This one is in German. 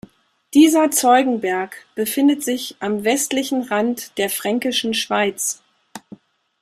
Dieser Zeugenberg befindet sich am westlichen Rand der Fränkischen Schweiz.